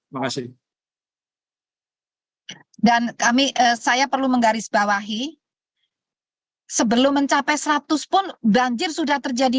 makasih dan kami saya perlu menggarisbawahi sebelum mencapai seratus pun banjir sudah terjadi